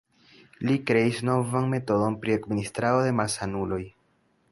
Li kreis novan metodon pri administrado de malsanuloj.